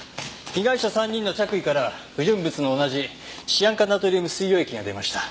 被害者３人の着衣から不純物の同じシアン化ナトリウム水溶液が出ました。